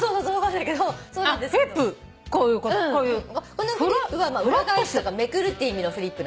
このフリップは裏返すとかめくるって意味のフリップ。